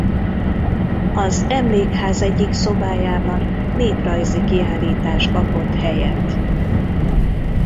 Az emlékház egyik szobájában néprajzi kiállítás kapott helyet.